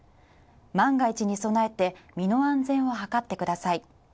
万が一に備えて身の安全を図ってください。